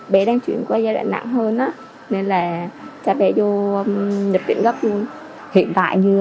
bé đang chuyển qua giai đoạn nặng hơn nên là cha bé vô nhập tiện gấp luôn